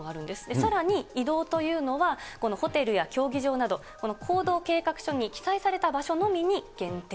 さらに移動というのは、このホテルや競技場など、この行動計画書に記載された場所のみに限定。